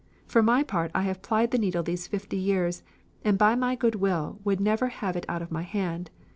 For my part I have plied the needle these fifty years, and by my good will would never have it out of my hand.